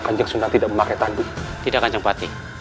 kanjeng sunnah tidak memakai tanduk tidak kanjeng patih